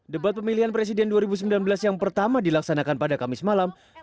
debat pemilihan presiden dua ribu sembilan belas yang pertama dilaksanakan pada kamis malam